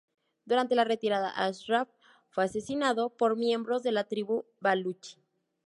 Durante la retirada Ashraf fue asesinado por miembros de la tribu baluchi.